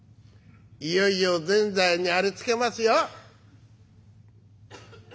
いよいよぜんざいにありつけますよ」。